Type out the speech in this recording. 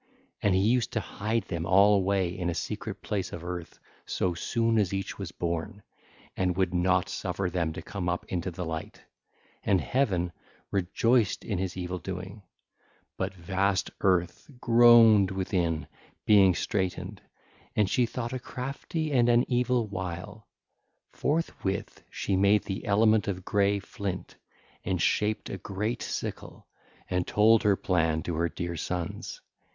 And he used to hide them all away in a secret place of Earth so soon as each was born, and would not suffer them to come up into the light: and Heaven rejoiced in his evil doing. But vast Earth groaned within, being straitened, and she made the element of grey flint and shaped a great sickle, and told her plan to her dear sons.